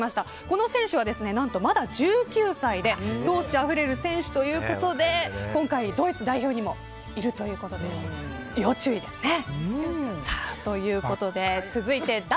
この選手は何とまだ１９歳で闘志あふれる選手ということで今回、ドイツ代表にもいるということで要注意ですね。